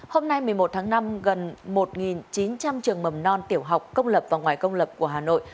hôm nay một mươi một tháng năm gần một chín trăm linh trường mầm non tiểu học công lập và ngoài công lập của hà nội